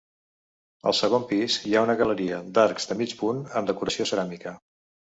Al segon pis hi ha una galeria d'arcs de mig punt amb decoració ceràmica.